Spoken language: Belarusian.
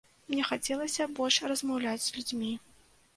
Мне хацелася больш размаўляць з людзьмі.